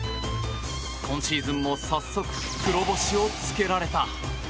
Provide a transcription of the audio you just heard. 今シーズンも早速、黒星をつけられた。